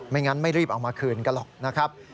งั้นไม่รีบเอามาคืนกันหรอกนะครับ